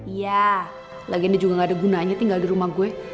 iya lagi ini juga gak ada gunanya tinggal di rumah gue